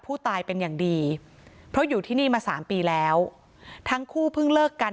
ผู้ตายเป็นอย่างดีเพราะอยู่ที่นี่มาสามปีแล้วทั้งคู่เพิ่งเลิกกัน